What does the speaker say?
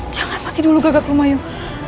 jangan mati dulu gagak rumah yuk